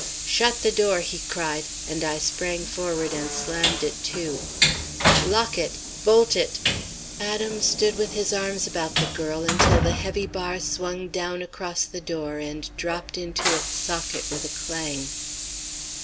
"'Shut the door,' he cried, and I sprang forward and slammed it to. "'Lock it! Bolt it!' "Adam stood with his arms about the girl until the heavy bar swung down across the door and dropped into its socket with a clang.